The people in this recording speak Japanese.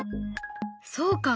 そうか。